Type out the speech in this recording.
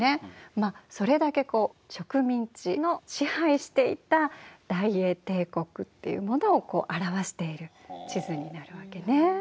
まっそれだけこう植民地の支配していた大英帝国っていうものを表している地図になるわけね。